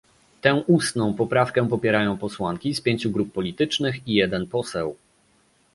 Tę ustną poprawkę popierają posłanki z pięciu grup politycznych i jeden poseł